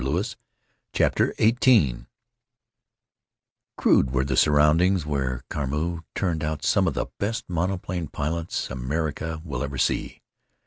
CHAPTER XVIII rude were the surroundings where Carmeau turned out some of the best monoplane pilots America will ever see.